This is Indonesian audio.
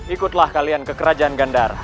ikutlah kalian ke kerajaan gandar